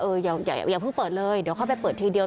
อย่าเพิ่งเปิดเลยเดี๋ยวเข้าไปเปิดทีเดียว